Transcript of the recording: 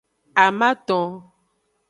Amaton.